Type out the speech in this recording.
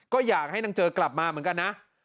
ก็อยากให้นางเจอกลับมาเหมือนกันนะ